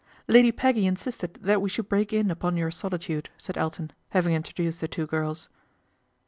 " Lady Peggy insisted that we should break in upon your solitude," said Elton, having intro duced the two girls.